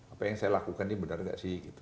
apa yang saya lakukan ini benar nggak sih gitu